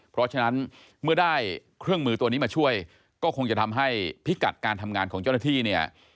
เพราะฉะนั้นเมื่อได้เครื่องมือตัวนี้มาช่วยก็คงจะทำให้พิกัดการทำงานของเจ้าหน้าที่เนี่ย